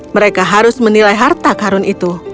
mereka harus menilai harta karun itu